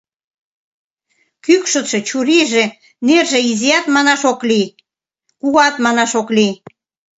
Кӱкшытшӧ, чурийже, нерже изиат манаш ок лий, кугуат манаш ок лий.